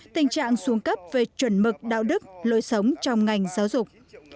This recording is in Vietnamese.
tình trạng xuống cấp về chuẩn mực đạo đức lối sống trong ngành giáo dục